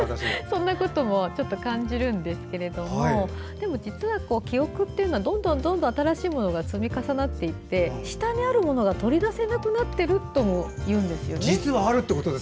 そんなことも感じるんですがでも実は記憶っていうのはどんどん新しいものが積み重なっていって下にあるものが取り出せなくなっているともいうんですね。